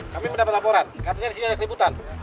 kami mendapat laporan katanya disini ada keributan